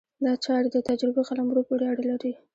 دا چارې د تجربې قلمرو پورې اړه لري.